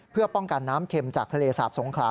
เพื่อป้องกันน้ำเข็มจากทะเลสาบสงขลา